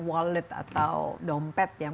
wallet atau dompet yang